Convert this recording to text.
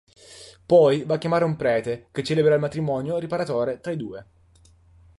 Poi va a chiamare un prete che celebra il matrimonio riparatore tra i due.